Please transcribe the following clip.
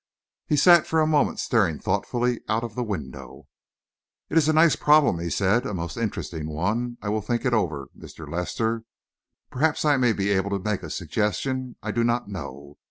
He sat for a moment staring thoughtfully out of the window. "It is a nice problem," he said, "a most interesting one. I will think it over, Mr. Lester. Perhaps I may be able to make a suggestion. I do not know.